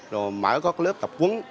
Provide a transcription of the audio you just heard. rồi mở các lớp tập quấn